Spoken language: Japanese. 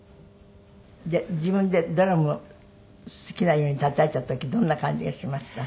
で自分でドラムを好きなようにたたいた時どんな感じがしました？